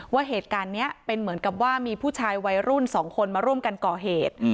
ว่าเหตุการณ์นี้เป็นเหมือนกับว่ามีผู้ชายวัยรุ่นสองคนมาร่วมกันก่อเหตุ